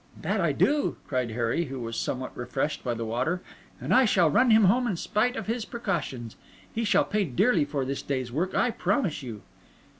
"That I do!" cried Harry, who was somewhat refreshed by the water; "and shall run him home in spite of his precautions. He shall pay dearly for this day's work, I promise you."